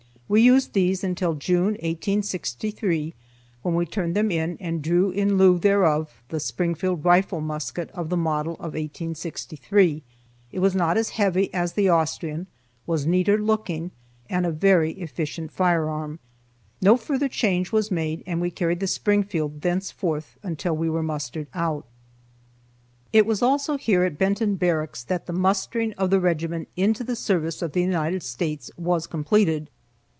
We used these until June, 1863, when we turned them in and drew in lieu thereof the Springfield rifle musket of the model of 1863. It was not as heavy as the Austrian, was neater looking, and a very efficient firearm. No further change was made, and we carried the Springfield thenceforward until we were mustered out. It was also here at Benton Barracks that the mustering of the regiment into the service of the United States was completed.